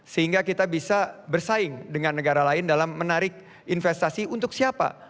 sehingga kita bisa bersaing dengan negara lain dalam menarik investasi untuk siapa